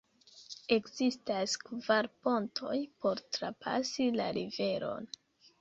Ekzistas kvar pontoj por trapasi la riveron.